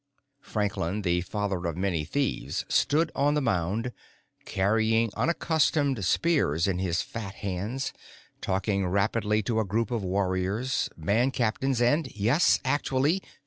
Franklin the Father of Many Thieves stood on the mound, carrying unaccustomed spears in his fat hands, talking rapidly to a group of warriors, band captains and yes, actually!